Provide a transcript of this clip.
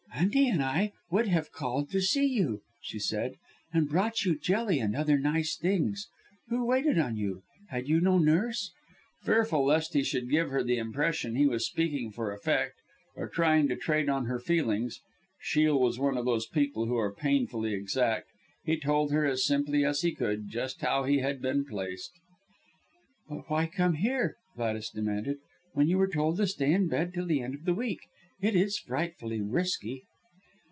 "Aunty and I would have called to see you," she said, "and brought you jelly and other nice things. Who waited on you, had you no nurse?" Fearful lest he should give her the impression he was speaking for effect, or trying to trade on her feelings (Shiel was one of those people who are painfully exact), he told her as simply as he could just how he had been placed. "But why come here," Gladys demanded, "when you were told to stay in bed till the end of the week. It is frightfully risky."